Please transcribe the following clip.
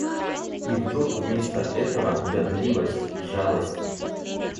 И вдруг вместо этого — гадливость, жалость...